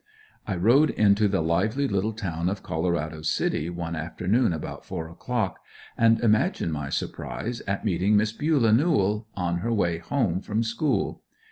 I rode into the lively little town of Colorado City one afternoon about four o'clock, and imagine my surprise at meeting Miss Bulah Newell on her way home from school.